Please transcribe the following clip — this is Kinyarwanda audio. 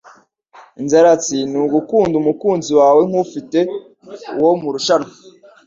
inzaratsi ni ugukunda umukunzi wawe nk'ufite uwo murushanwa,